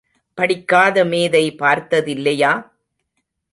படிக்காத மேதை பார்த்ததில்லையா?